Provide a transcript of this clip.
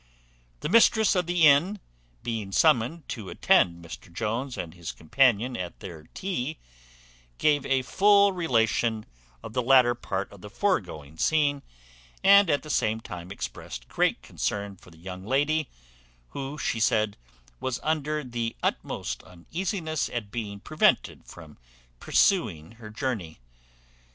The mistress of the inn, being summoned to attend Mr Jones and his companion at their tea, gave a full relation of the latter part of the foregoing scene; and at the same time expressed great concern for the young lady, "who," she said, "was under the utmost uneasiness at being prevented from pursuing her journey.